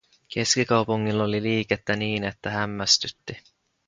Keskikaupungilla oli liikettä niin, että hämmästytti.